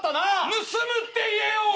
盗むって言えよ！